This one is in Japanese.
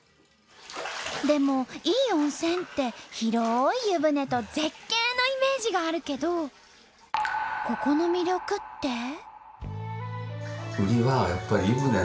でもいい温泉って広い湯船と絶景のイメージがあるけどここの魅力って？